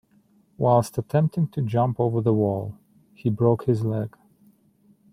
Whilst attempting to jump over the wall, he broke his leg.